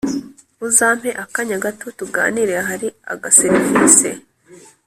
uzampe akanya gato tuganire hari aga servise